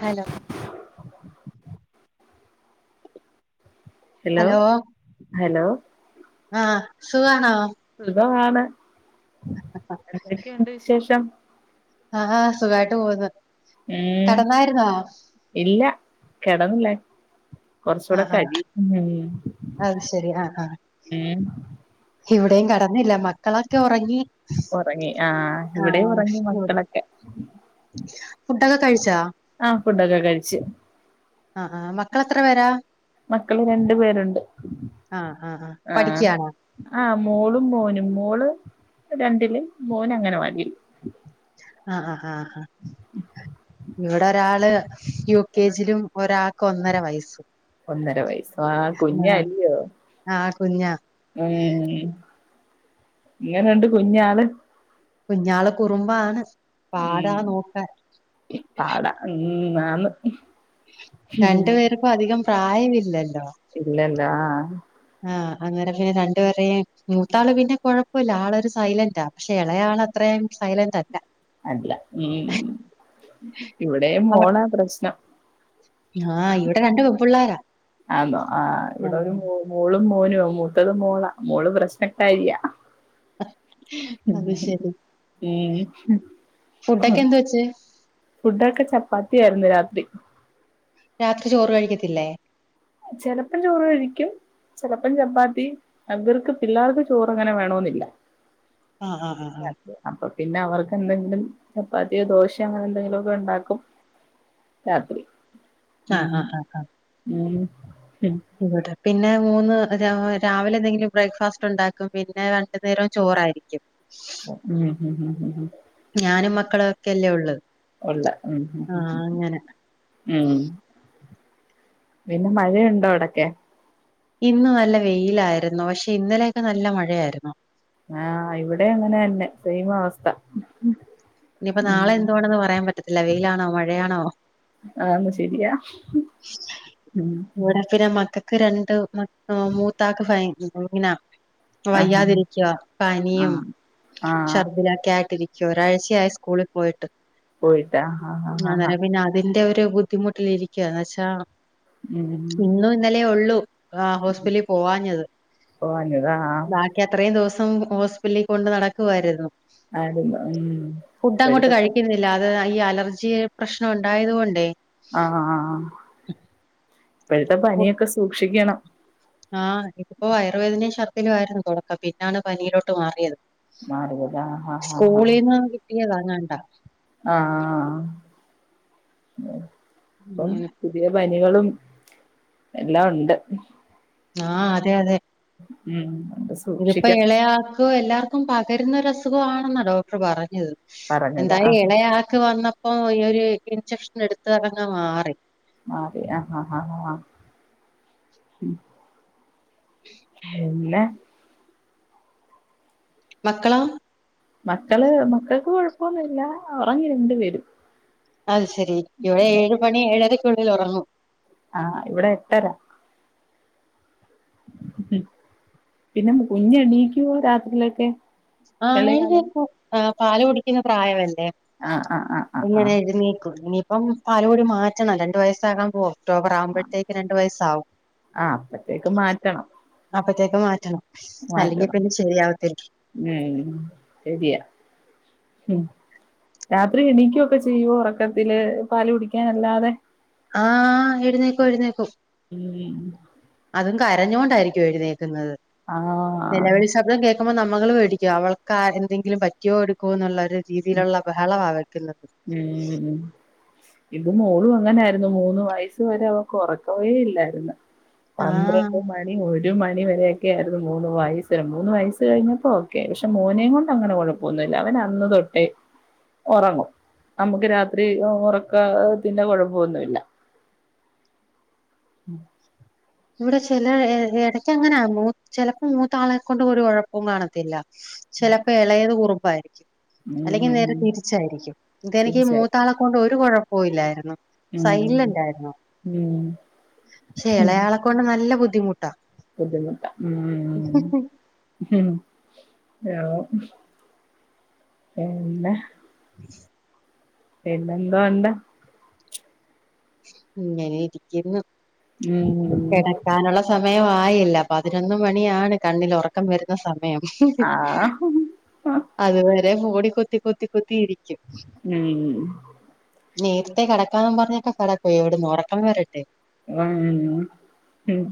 Hello hello hello ആഹ് സുഖാണോ സുഖാണ് [inaudible] [unintelligible] ഉണ്ട് വിശേഷം ആഹ് ആഹ് സുഖായിട്ടു പോവുന്നു ഉം ഇല്ല കെടന്നില്ലേ ആഹ് കൊർച്ചൂടെ ആഹ് കഴിം ഉം അത് ശരി ആഹ് ആഹ് ഉം ഇവിടെയും കടന്നില്ല മക്കളൊക്കെ ഒറങ്ങി ഒറങ്ങി ആഹ് ഇവിടെ ഉറങ്ങി മക്കളൊക്കെ ഫുഡൊക്കെ കഴി ആഹ് ഫുഡൊക്കെ കഴിച്ച് ആഹ് ആഹ് മക്കള് എത്ര പേരാ? മക്കള് രണ്ട് പേരുണ്ട് ആഹ് ആഹ് ആഹ് പഠിക്കാണോ? ആഹ് മോളും മോനും മോള് രണ്ടില് മോന് അംഗനവാടില് ആഹ് ആഹ് ആഹ് ഇവിടെ ഒരാള് യു കെ ജിലും ഒരാക്ക് ഒന്നര വയസ്സും ഒന്നര വയസോ ആഹ് കുഞ്ഞാ അല്ല്യോ? ആഹ് കുഞ്ഞാ ഏഹ് ഇങ്ങനെണ്ട് കുഞ്ഞാള്? കുഞ്ഞാള് കുറുമ്പാണ് ഉം പാടാ നോക്കാൻ പാടാ ഉം ആന്ന് രണ്ടു പേർക്കും അധികം പ്രായമില്ലല്ലോ ഇല്ലല്ലോ ആഹ് ആഹ് അങ്ങനെ പിന്നെ രണ്ടുപേരെടെയും മൂത്താള് പിന്നെ കൊഴപ്പല്ല ആളൊരു സൈലന്റാ പക്ഷെ എളയാള് അത്ര സൈലന്റ് അല്ല അല്ല ഉം ഇവടെ അവ മോളാ പ്രശ്നം ആഹ് ഇവടെ രണ്ട് പെൺപിള്ളോരാ ആന്നോ ആഹ് ഇവടെ ഒരു മോളും മോനും മൂത്തത് മോളാ മോള് പ്രശ്നക്കാരിയാ അത് ശരി. ഫുഡൊക്കെ എന്ത് വെച്ച്? ഉം ഫുഡൊക്കെ ചപ്പാത്തിയായിരുന്നു രാത്രി രാത്രി ചോറ് കഴിക്കത്തില്ലേ? ചെലപ്പം ചോറ് കഴിക്കും ചെലപ്പം ചപ്പാത്തി ഇവർക്ക് പിള്ളേർക്ക് ചോറ് അങ്ങനെ വേണന്നില്ല. ആഹ് ആഹ് ആഹ് ആഹ് അപ്പ പിന്നെ അവർക്ക് എന്തെങ്കിലും ചപ്പാത്തിയൊ ദോശയോ അങ്ങനെ എന്തെങ്കിലുക്കെ ഇണ്ടാക്കും രാത്രി ആഹ് ആഹ് ഉം ആഹ് ഉം ഉം ഇവടെ പിന്നെ മൂന്ന് രാവിലെ എന്തെങ്കിലും ബ്രേക്ക്ഫാസ്റ്റ് ഇണ്ടാക്കും പിന്നെ രണ്ടു നേരം ചോറായിരിക്കും ഉം ഉം ഉം ഉം ഉം ഞാനും മക്കളും ഒക്കെല്ലേ ഒള്ളൂ ഒള്ളു ഉം ഉം ഉം ഉം പിന്നെ മഴയുണ്ടോ അവിടൊക്കെ? ഇന്ന് നല്ല വെയിലായിരുന്നു പക്ഷെ ഇന്നലെയൊക്കെ നല്ല മഴയായിരുന്നു. ആഹ് ഇവടെ അങ്ങനെന്നെ സെയിം അവസ്ഥ ഇനിപ്പൊ ഉം നാളെ എന്തുവാണെന്ന് പറയാൻ പറ്റത്തില്ല വെയിലാണോ മഴയാണോ? [unintelligible] ഇല്ല്യാ ഉം ഇവടെ പിന്നെ മക്കക്ക് രണ്ട് മ മൂത്താക്ക് [unintelligible] ആഹാ വയ്യാതിരിക്കുവ പനിയും ആഹ് ആഹ് ഷർദ്ദിലൊക്കെ ആയിട്ടിരിക്കുവ ഒരാഴ്ച യായി സ്കൂളിൽ പോയിട്ട് പോയിട്ടാ ഹാ ഹാ ഹാ ഹാ അങ്ങനെ പിന്നെ തിന്റെ ഒരു ബുദ്ധിമുട്ടിലിരിക്കന്ന വെച്ചാ ഉം ഇന്നും ഇന്നലെ ഉള്ളൂ ആ ഹോസ്പിറ്റലിൽ പോവാഞ്ഞത് പോന്നത ആഹ് ബാക്കി അത്രയും ദിവസം ഹോസ്പിറ്റലിൽ കൊണ്ട് നടക്കുവായിരുന്നു ആ [unintelligible] ഉം ഫുഡ് അങ്ങോട്ട് ഇപ്പഴത്തെ കഴിക്കുന്നില്ല അത് ഈ അലർജി പ്രശ്നം ഉണ്ടായത് കൊണ്ടേ ആഹ്ആഹ് ആഹ് ഇപ്പഴത്തെ പനിയൊക്കെ സൂക്ഷിക്കണം ആഹ് ഇതിപ്പോ വയർവേദനയും ഷർത്തിലു ആയിരുന്നു തുടക്കം പിന്നാണ് പനിയിലോട്ട് മാറിയത് മാറിയതാ ഹാ ഹാ ഹാ സ്കൂളിന്ന് കിട്ടിയതാങ്ങണ്ടാ ആഹ് ഉം ഇപ്പം പുതിയ പനികളും എല്ലാം ഉണ്ട് ആഹ് അതെ അതെ ഉം ഇതിപ്പ സൂക്ഷിക്കണം ഇളയാക്കോ എല്ലാർക്കും പകരുന്ന രു അസുഖ ആണെന്ന ഡോക്ടർ പറഞ്ഞത് പറഞ്ഞത് എന്തായ ആഹ് ഇളയാക് വന്നപ്പോ ഈ ഒരു ഇൻചെക്ഷൻ എടുത്ത് അങ്മാറി മാറിയ ഉ എല്ല മക്കളോ മക്കള് മക്കൾക്ക് കൊഴപ്പൊന്നുല്ല ഒറങ്ങി രണ്ട് പേരും അത് ശരി ഇവിടെ ഏഴ് മണി ഏഴരയ്ക്കുള്ളിൽ ഉറങ്ങും ആഹ് ഇവിടെട്ടരാ മ്മ് പിന്നെ കുഞ്ഞെണീക്കുവോ രാത്രിയിലൊക്കെ ആഹ് ഇളയാള് അങ്ങനെഴുന്നേക്കും ആഹ് പാല് കുടിക്കുന്ന പ്രായവല്ലേ ആഹ് ആഹ് ആഹ് ആഹ് ആഹ് ങ്ങനെഴുന്നേക്കും ഇനിയിപ്പം പാല്കുടി മാറ്റണം രണ്ടു വയസ്സാകാൻ പോ ഒക് ടോബറാവുമ്പത്തേക്ക് രണ്ട് വയസാവും ആഹ് അപ്പത്തേക്ക് മാറ്റണം അപ്പത്തേക്ക് മാറ്റണം അല്ലെങ്കിപിന്നെ ശരിയാവത്തില്ല മ്മ് ശെരിയാ ഉം രാത്രി എണിക്കുവൊക്കെ ചെയ്യുവോ ഉറക്കത്തില് പാല് കുടിക്കാനല്ലാതെ ആഹ് എഴുന്നേക്കുവെഴുന്നേക്കും മ്മ് അതും കരഞ്ഞോണ്ടായിരിക്കുവെഴുന്നേക്കുന്നത് ആഹ് നിലവിളി ശബ്ദം കേ ന്നമ്മങ്ങള് പേടിക്കും അവൾകാരെന്തെങ്കിലും പറ്റിയോ എടുക്കോന്നുള്ളൊരു രീതിയിലുള്ള ബഹളവാ വെക്കുന്നത് മ്മ് ഇത് മോളുവങ്ങനായിരുന്നു മൂന്ന് വയസ് വരെ അവക്കൊറക്കവേ ഇല്ലായിരുന്നു ആഹ് പന്ത്രണ്ട് മണി ഒരു മണി വരെയക്കെ ആയിരുന്നു മൂന്ന് വയസിൽ മൂന്ന് വയസ്സ് കഴിഞ്ഞപ്പോ ഓക്കേ ക്കെ പശെ മോനേംകൊണ്ടങ്ങനെ കൊഴപ്പൊന്നുല്ല അവൻ അന്ന്തൊട്ടേ ഒറങ്ങും നമുക്ക് രാത്രി ഒ ഒറക്കത്തിന്റെ കുഴപ്പൊന്നുല്ല ഇവിടെ ചെല എ എടയ്ക്കങ്ങനാ മൂ ചെലപ്പോ മൂത്താളെ കൊണ്ടൊരു കൊഴപ്പോംകാണത്തില്ല ചെലപ്പ എളേത് കുറുമ്പായിരിക്കും ഉം അല്ലെങ്കി നേരെ ഉം തിരിച്ചായിരിക്കും ഇതെനിക്കീ തീർച്ചയായും മൂത്താളെ കൊണ്ടൊരു കുഴപ്പോല്ലായിരുന്നു ഉം സൈലന്റായിരുന്നു ഉം ശെ എളേയാളെക്കൊണ്ട് നല്ല ബുദ്ധിമുട്ടാ ബുദ്ധിമുട്ട മ്മ് ഹ്മ് [unintelligible] എന്താ [inaudible] പിന്നെന്തോണ്ട് ഇങ്ങനെയിരിക്കുന്നു ഉം കെടക്കാനുള്ള സമയമായില്ല പതിനൊന്ന് മണിയാണ് കണ്ണിൽ ഒറ ക്കം വരുന്ന സമയം ആഹ് അതുവരെ ഫോണി കുത്തി കുത്തി കുത്തിയിരി ക്കും ഉം നേരത്തെ കിടക്കാന്നും പറഞ്ഞൊക്കെ കട പൊയെവിട്ന്ന് ഉറക്കംവരണ്ടെ ഉം ഉം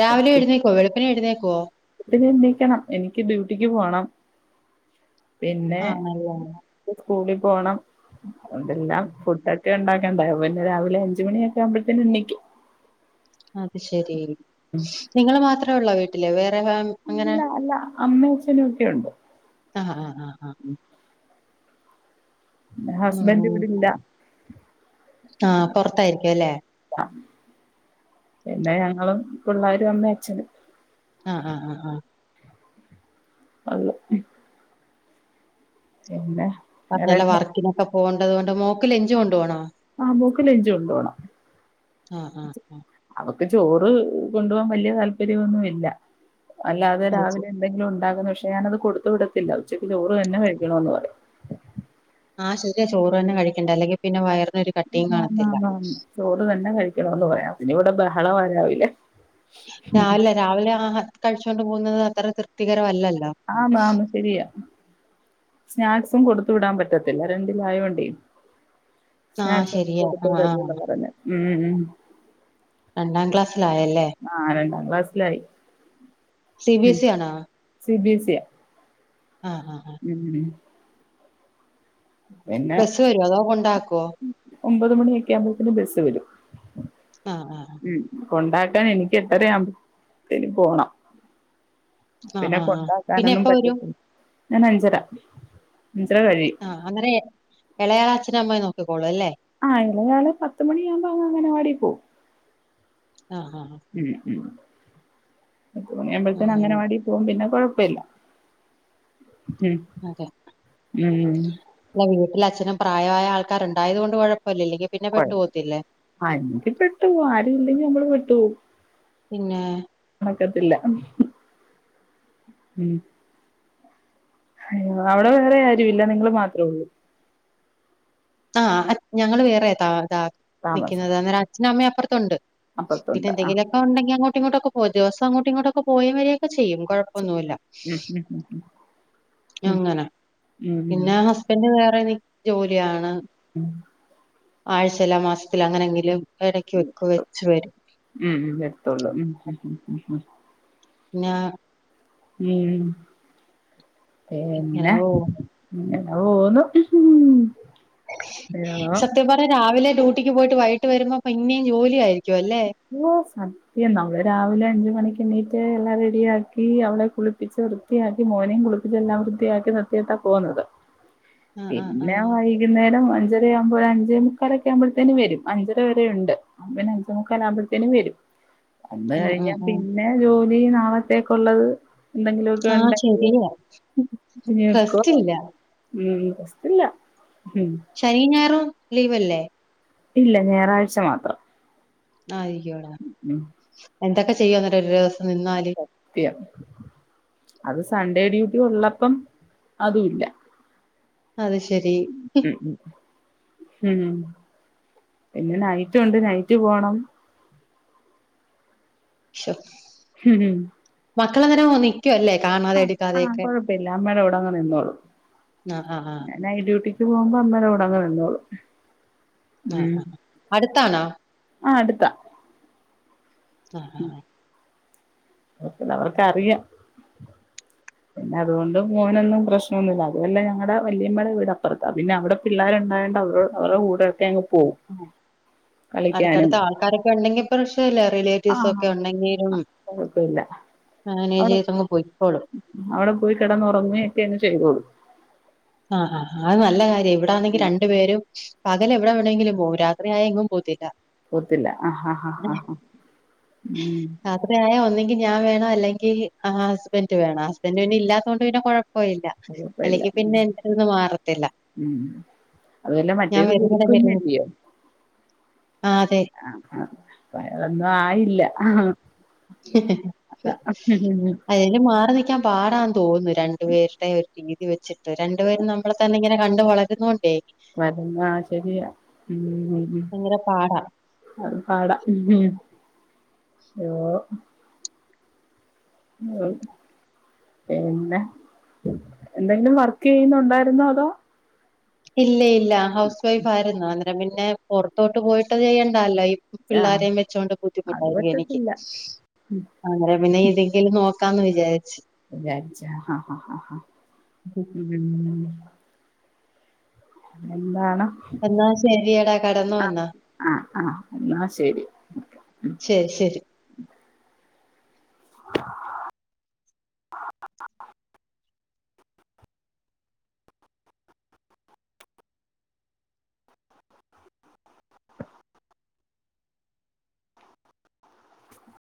രാവിലെ എഴുന്നേക്കുവോ? വെളുപ്പിനെ എഴുന്നേക്കുവോ? പിന്നെയ്ന്നേക്കണം എനിക്ക് ഡ്യൂട്ടിക്ക് പോണം. പിന്നെ ആണല്ലേ സ്കൂളിപോണം അതോണ്ടല്ലാം ഫുഡ ഒക്കെ ഉണ്ടാക്കണ്ടേ ഇവന്ന് രാവിലെ അഞ്ച് മണിയൊക്കെയാവുംമ്പത്തനെണീക്കും. അത് ശരി നിങ്ങള് മാത്രേ ഉള്ളോ വീട്ടില്? വേറെ ഫാം ല്ല അല്ല അമ്മേ അഛനൊക്കെയുണ്ട് ആഹ് ആഹ് ആഹ് ആഹ് പിന്നെ ഹസ്ബൻഡ് ഇവിടെ [unintelligible] ഇല്ല ആഹ് പൊറത്തായിരിക്കുവല്ലേ [unintelligible] പിന്നെ ഞങ്ങളും പിള്ളാരും അമ്മേയച്ഛനും. ആഹ് ആഹ് ആഹ് ആഹ് ഒള്ളു പിന്നെ വേറെ പറഞ്ഞല്ലോ വർക്കിനൊക്കെ പോണ്ടത് കൊണ്ട് മോക്ക് ലെഞ്ച് കൊണ്ട്‌വോണാ? ആഹ് മോക്ക് ലഞ്ച് കൊണ്ടോണം ആ ആ ആ അവക്ക് ചോറ് കൊണ്ടോവാൻ വല്ല്യ താല്പര്യമൊന്നുമില്ല അല്ലാതെ അത് രാവിലെ ശരി എന്തെങ്കിലും ഉണ്ടാകുന്നെ പക്ഷേ ഞാനത് കൊടുത്ത് വിടത്തില്ല ഉച്ചക്ക് ചോറ്തന്നെ കഴിക്കണംന്ന് പറയും. ആഹ് ശെരിയ ചോറ് തന്നെ കഴിക്കണ്ടെ അല്ലെങ്കിപിന്നെ വയറിനൊരു കട്ടിയും കാണത്തില്ല ന്നാന്നാന്നാന്ന് ചോറ് തന്നെ കഴിക്കണംന്ന് പറയും അതിനിവിടെ ബഹളവാരാവിലെ രാവിലെ രാവിലെ ആ കഴിച്ചോണ്ട് പോകുന്നത് അത്ര തൃപ്തികരവല്ലല്ലോ. ആന്നാന്ന് ശരിയാ സ്നാക്സും കൊടുത്തു വിടാൻ പറ്റത്തില്ല രണ്ടിലായോണ്ട് ആ സ്നാക്സ് ഒക്കെ ശരിയാ കൊടുത്ത് ആ ആ വിടര്ത് പറയുന്ന ഉം ഉ രണ്ടാം ക്ലാസ്സിലായല്ലേ? ആ രണ്ടാം ക്ലാസ്സിലായി സി ഉം ബിഎസ്ഇ ആണോ? സി ബി എസ് സി ആ ഹാ ആ എങ്ങനെ പിന്നെ ബസ്സ് വരുവോ അതോ കൊണ്ടാക്കുവോ ഒമ്പത് മണിയൊക്കെ ആകുമ്പോത്തിന് ബസ് വരും. ആഹ ആ ഉ കൊണ്ടാക്കാൻ എനിക്ക് എട്ടരാവുമ്പോത്തിന് പോണം. ആഹ് പിന്നെ ആഹ് ആഹ് പിന്നെ കൊണ്ടാക്കാനൊന്നും എപ്പ വരും പറ്റത്തില്ല ഞാൻ അഞ്ചര അഞ്ചര കഴിയും. ആ് അങ്ങനെ എളയാള അച്ഛനും അമ്മയും നോക്കിക്കോളൂ അല്ലേ. ആ ഇളയാള് പത്ത് മണിയാവുമ്പോ അങ് അംഗനവാടി പോവും. ആഹ് ഹ ഉം ഉ പത്തുമണിആവുമ്പോത്തിന് ആഹ് അങ്ങനവാടി പോവും പിന്നെ കൊഴപ്പല്ല ഉ അതെ ഇല്ല വീട്ടിൽ അച്ഛനും പ്രായമായ ആൾക്കാർ ഉണ്ടായത് കൊണ്ട് കുഴപ്പില്ല ഇല്ലങ്കിൽ എനിക്ക് പെട്ടു ആരും ഇല്ലെങ്കിൽ നമ്മള് പെട്ടു പിന്നെ പറ്റത്തില്ല ഉം അവിടെ വേറെ ആരു ഇല്ല നിങ്ങൾ മാത്രേള്ളൂ ആഹ് ഞങ്ങൾ വേറെ ഇത താമസം നിൽക്കുന്നത് അന്നേരം അച്ഛന അമ്മ അപ്പുറത്തുണ്ട് അപ്പുറത്തുണ്ട് ആ പിന്നെന്തെങ്കിലൊക്കെ ഉണ്ടെങ്കിൽങ്ങോട്ട ഇങ്ങോട്ടൊക്കെ പോ ദിവസം അങ്ങോട്ട ഇങ്ങോട്ടൊക്ക പോയും വരയൊക്കെ ചെയ്യും കുഴ നുല്ല ഉം ഉം ഉം ഉം അങ്ങനെ ഉം ഉം പിന്ന പിന്നെ വേറെ എനിക്ക് ജോലിയാണ് [unintelligible] ആഴ്ച എല്ല മാസത്തി അങ്ങനെങ്കിലും ഇടക്ക് വെക്ക് വെച്ച വരും ഉം ഉ എടുത്തോള്ളൂ ഉം നാ ഉം ഇങ്ങനെ ഓ പിന്ന ഓലും സത്യം പറഞ്ഞ രാവിലെ ഡ്യൂട്ടിക്ക് പോയിട്ട് വൈകട്ട് വരുമ്പോപ്പ ഇന്നിയും ജോലി ആയിരിക്കും അല്ലേ മുസ നമ്മള് രാവിലെ അഞ്ച് മണിക്ക് എണ്ണീറ്റ എല്ലാം റെഡിയാക്കി അവളെ കുളിപ്പിച്ച്ർ വൃത്തിയാക്കി മോനിം കുള്പ്പിച്ചെല്ലാം വൃത്തിയാക്കി നിർത്തിയിട്ടാ പോകുന്നത് ആ ആ ആ പിന്ന വൈ വൈകുന്നേരം അഞ്ചര ആവുമ്പോ അഞ്ചേ മുക്കാലൊക്കെ ആവുമ്പോഴത്തേ വരും അഞ്ചര വരെ ഉണ്ട് അഞ്ചു കല്പോഴത്തേും വരും വന്ന് ഉം ഉം കഴിഞ്ഞാൽ ഉം പിന്നെ ജോലി നാളത്തേക്ക ഉള്ളത് എന്തെങ്കിലുമക്കെ ആ ഉണ്ടെങ്കിൽ ശരിയാ വെക്കോ റെസ്റ്റ് ഇല്ല ഉം പ്രശ്നല്ല ഉം ശനിഞയറുവും ലീവല്ലെ ഇല്ല ഞായറാഴ്ച മാത്രം ആഹ് അയ്യോടാ ഉം എന്തൊക്കെ ചെയ്യന്നരം ഒരു ദിവസം നിന്നാല് അത് സൺഡേ ഡ്യൂട്ടി ഉള്ളപ്പം അതു ഇല്ല അത് ശെരി ഉ ഉ ഉം പിന്നെ നൈറ്റ്ണ്ട് നൈറ്റ് പോണം [inaudible] ഉം മക്കള് നേരം മോന്നി ക്കുഅല്ലേ കാണ അഹ് ആഹ് കൊഴപ്പില്ല അമ്മേടെ കൂടെ അങ്ങ് ആ ആ ആ നിന്നോളുംഏഹ് നൈറ്റ് ഡ്യൂട്ടിക്ക് പോവുമ്പോ അമ്മേടെ കൂടങ്ങ് നിന്നോളും ആഹ് ഉം അഹ് അടുത്താണോ ആഹ് അടുത്താ അഹ് അഹ് അപ്പ പിന്നെ അവർക്കറിയാ പിന്നെ അതുകൊണ്ട് മോനൊന്നും പ്രശ്നൊന്നുല്ല അപ്പ പിന്നെ ഞങ്ങടെ വല്യമ്മടെ വീടപ്പുറത്താ പിന്നെ അവിടെ പിള്ളേരുണ്ടായണ്ട് അവരു അവരെ കൂടെഒക്കെ അങ്ങ്പോവും ഉം അടുത്തടുത്ത ആൾക്കാരൊക്കെ ഉണ്ടെങ്കിപ്രശ്നല്ല ആഹ് റിലേറ്റീവ്സൊക്കെ ഉണ്ടെങ്കിലും കുഴപ്പമില്ല മാനേജ് അവിടെ ചെയ്തങ്ങ് പൊയിക്കോളും അവിടെ പോയി കിടന്നുറങ്ങേ ഒക്കെ അങ്ങ് ചെയ്തോളും ആഹ് ആഹ് അഹ് നല്ല കാര്യാ ഇവിടാന്നെങ്കി രണ്ടു പേരും പകല് എവിടെ വേണങ്കിലും പോവും രാത്രി ആയ എങ്ങും പോകത്തില്ല പോവത്തില്ല ഹാഹ് ഹാഹ് ഹാഹ് ഉം അപ്പ ഞാന് ഒന്ന്ങ്കി ഞാൻ വേണം അല്ലെങ്കി ആഹ് ഹസ്ബന്റ് വേണം ഹസ്ബൻ്റ് പിന്നെ ഇല്ലാത്തോണ്ട് പിന്നെ കുഴപ്പ ഇല്ല കുഴപ്പ ഇല്ല പിന്നെ എൻ്റെന്ന് മാറത്തില്ല ഉം ഉം അതു അല്ല ഞാൻ മറ്റേത് വരുന്നിടം വരെ പുതുക്കുന്നില്ല്യോ ആഹ് അതെ ആഹ് വേറെ ഒന്നും ആയില്ല അയല് മാറി നിക്കാ പാടാന്ന് തോന്നുന്നു രണ്ടു പേരുടെ രീതി വെച്ചിട്ട് രണ്ടുപേരും നമ്മളെതന്നെ ഇങ്ങനെകണ്ട് വളരുന്നോണ്ടേ വരുന്നാ ശെരിയാ ഉം ഉം ഉം ഉം ഭയങ്കര പാടാ അത് പാടാ ഹലോ ഓഹ് പിന്നെ എന്തെങ്കിലും വർക്കെയ്യുന്നുണ്ടാരുന്നോ അതോ ഇല്ല ഇല്ല ഹൗസ് വൈഫ് ആയിരുന്നു അന്നേരം പിന്നെ പുറത്തോട്ട് പോയിട്ട് ചെയ്യണ്ടാല്ലോ ആഹ് പിള്ളാരേം വെച്ചൊണ്ട് ബുദ്ധിമുട്ടാ അത് എനിക്ക് പറ്റത്തില്ല അങ്ങനെ പിന്നെ എന്തെങ്കിലും നോക്കാന്ന് വിചാരിച്ചു വിചാരിച്ചു ആഹ് ആഹ് ആഹ് എന്താണ് എന്നാ ശെരി എടാ കടന്നു വന്നാ ആഹ് ആഹ് എന്നാ ശരി ശരി ശരി [inaudible] [inaudible]